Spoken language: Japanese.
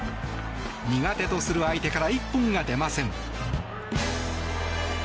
苦手とする相手から一本が出ません。